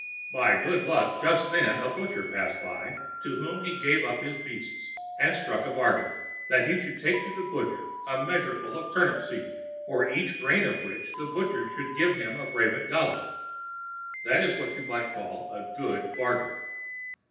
By good luck just then a Butcher passed by, to whom he gave up his beasts, and struck a bargain, that he should take to the Butcher a measure full of turnip seed, for every grain of which the Butcher should give him a Brabant dollar. That is what you may call a good bargain!